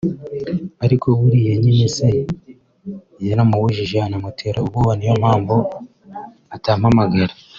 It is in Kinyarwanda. ariko buriya nyine se yaramubujije anamutera ubwoba niyo mpamvu atampamagara